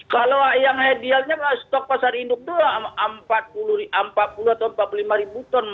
kalau yang idealnya stok pasar induk itu empat puluh atau empat puluh lima ribu ton